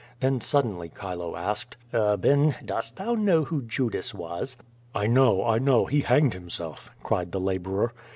Then suddenly Chilo asked: Urban, dost thou know who Judas was?" '*I know, I know. He hanged himself!" cried the laborer.